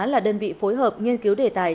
là đơn vị phối hợp nghiên cứu đề tài